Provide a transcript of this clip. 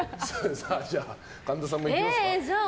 じゃあ、神田さんもいきますか。